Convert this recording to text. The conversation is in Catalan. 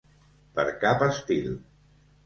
Per cap estil.